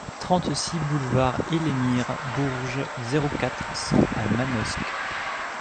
trente-six boulevard Elémir Bourges, zéro quatre, cent à Manosque